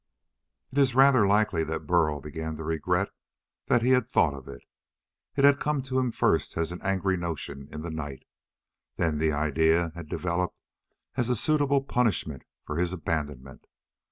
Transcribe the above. It is rather likely that Burl began to regret that he had thought of it. It had come to him first as an angry notion in the night. Then the idea had developed as a suitable punishment for his abandonment.